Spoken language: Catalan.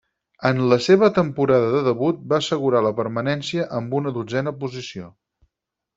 En la seva temporada de debut, va assegurar la permanència amb una dotzena posició.